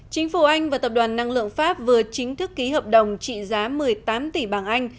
chính phủ anh và tập đoàn năng lượng pháp vừa chính thức ký hợp đồng trị giá một mươi tám tỷ bảng anh